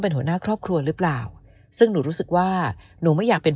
เป็นหัวหน้าครอบครัวหรือเปล่าซึ่งหนูรู้สึกว่าหนูไม่อยากเป็น